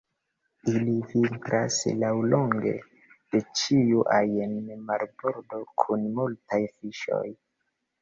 Ili vintras laŭlonge de ĉiu ajn marbordo kun multaj fiŝoj.